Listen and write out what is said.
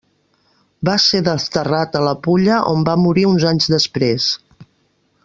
Va ser desterrat a la Pulla on va morir uns anys després.